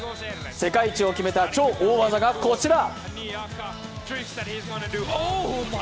世界一を決めた超大技がこちら。